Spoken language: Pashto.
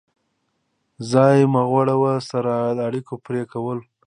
ځایي مخورو سره د اړیکو پرې کول.